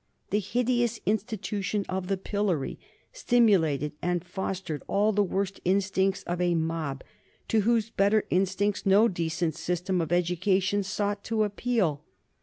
The hideous institution of the pillory stimulated and fostered all the worst instincts of a mob to whose better instincts no decent system of education sought to appeal.